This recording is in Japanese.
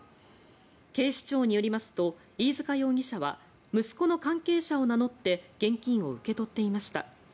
警視庁によりますと飯塚容疑者は息子の関係者を名乗って現金を受け取っていました。